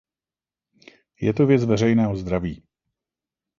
Je to věc veřejného zdraví.